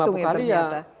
paling hitung ya ternyata